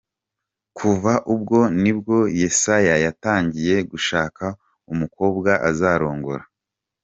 Kuva ubwo ni bwo Yesaya yatangiye gushaka umukobwa azarongora.